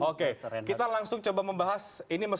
oke kita langsung coba membahas ini